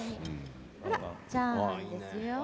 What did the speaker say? ほらチャーハンですよ。